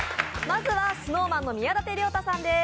まずはＳｎｏｗＭａｎの宮舘涼太さんです。